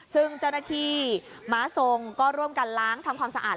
ซึ่งเจ้าหน้าที่ม้าทรงก็ร่วมกันล้างทำความสะอาด